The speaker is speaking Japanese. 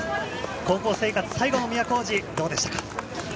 高校生活最後の都大路どうでしたか？